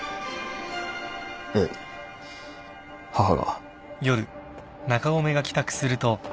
ええ母が。